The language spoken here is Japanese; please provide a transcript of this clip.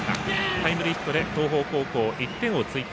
タイムリーヒットで東邦高校１点を追加。